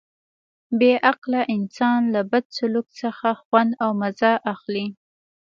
بې عقله انسان له بد سلوک څخه خوند او مزه اخلي.